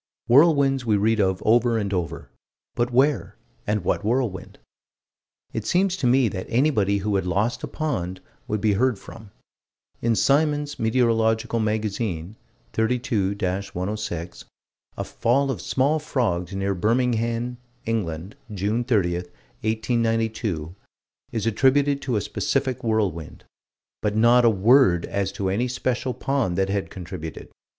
Whirlwinds we read of over and over but where and what whirlwind? It seems to me that anybody who had lost a pond would be heard from. In Symons' Meteorological Magazine, 32 106, a fall of small frogs, near Birmingham, England, June 30, 1892, is attributed to a specific whirlwind but not a word as to any special pond that had contributed.